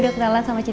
di punya siapa sih